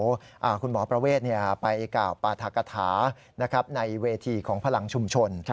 ที่คุณหมอประเวทไปก้าวปฐาคาถาในเวทีของพลังชุมชน